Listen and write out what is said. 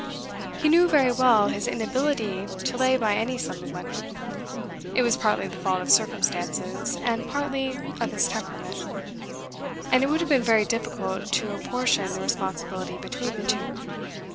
He knew very well his inability to lay by any sum of money. It was partly the fault of circumstances and partly of his temperament; and it would have been very difficult to apportion the responsibility between the two.